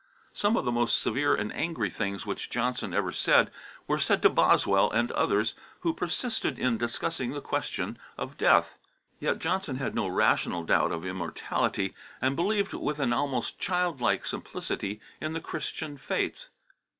Some of the most severe and angry things which Johnson ever said were said to Boswell and others who persisted in discussing the question of death. Yet Johnson had no rational doubt of immortality, and believed with an almost childlike simplicity in the Christian faith.